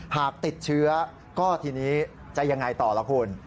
หากติดเชื้อก็ทีนี้จะยังไงต่อล่ะคุณ